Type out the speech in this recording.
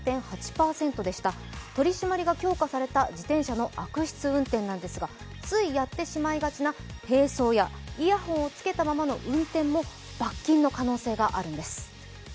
取り締まりが強化された自転車の悪質運転なんですが、ついやってしまいがちな並走やイヤホンをつけたままの運転も罰金の可能性があるんです。